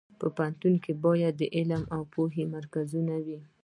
پوهنتونونه باید د علم او پوهې مرکزونه وي